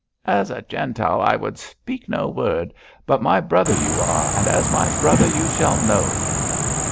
'As a Gentile I would speak no word, but my brother you are, and as my brother you shall know.'